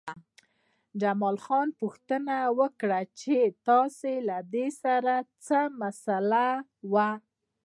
جمال خان پوښتنه وکړه چې ستا له دې سره څه مسئله وه